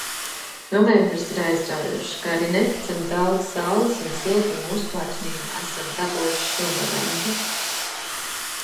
Novembris ir aizraujošs, kā arī neticami daudz saules un siltuma uzplaiksnījumu esam dabūjuši šonovembr.